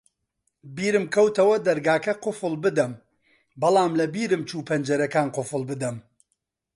بیرم کەوتەوە دەرگاکە قوفڵ بدەم، بەڵام لەبیرم چوو پەنجەرەکان قوفڵ بدەم.